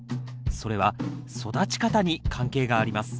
それは育ち方に関係があります。